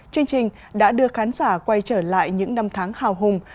chương trình đã đưa khán giả quay trở lại những năm tháng hào hùng